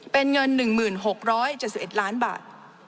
เป็นเงิน๑๖๗๑ล้านบาท